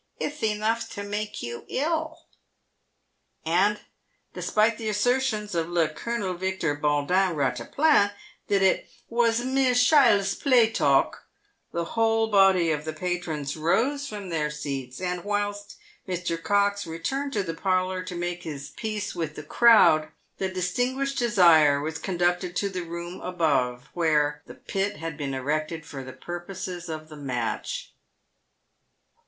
" Itth enough to make you ill." And, despite the assertions of le Colonel Victor Baudin Eattaplan that it "woss meare shild's play talk," the whole body of the patrons rose from their seats, and whilst Mr. Cox returned to the parlour to make his peace with the crowd, the " distinguished desire" was con ducted to the room above, where the pit had been erected for the purposes of the match.